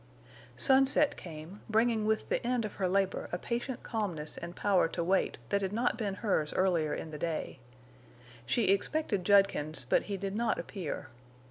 Sunset came, bringing with the end of her labor a patient calmness and power to wait that had not been hers earlier in the day. She expected Judkins, but he did not appear.